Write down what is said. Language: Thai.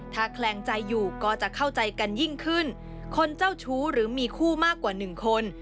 ถ้าแคลงใจอยู่ก็จะเข้าใจกันยิ่งขึ้นคนเจ้าชู้หรือมีคู่มากกว่าหนึ่งคน